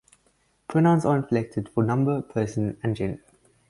Pronouns are inflected for number, person, and gender.